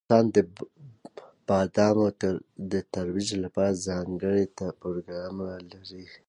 افغانستان د بادامو د ترویج لپاره ځانګړي پروګرامونه لري.